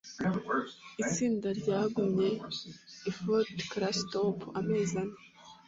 Itsinda ryagumye i Fort Clatsop amezi ane.